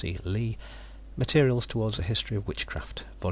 C. Lea, "Materials Toward a History of Witchcraft," Vol.